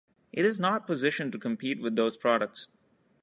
It is not positioned to compete with those products.